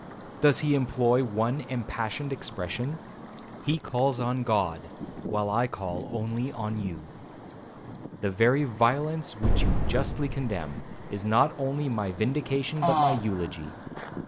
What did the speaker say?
does he employ one impassioned expression? he calls on God,—while I call only on you. The very violence which you justly condemn, is not only my vindication but my eulogy.